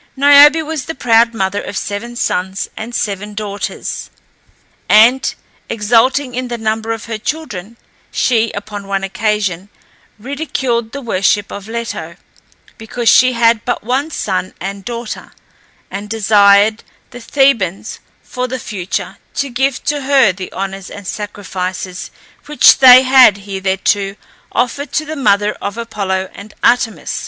Niobe was the proud mother of seven sons and seven daughters, and exulting in the number of her children, she, upon one occasion, ridiculed the worship of Leto, because she had but one son and daughter, and desired the Thebans, for the future, to give to her the honours and sacrifices which they had hitherto offered to the mother of Apollo and Artemis.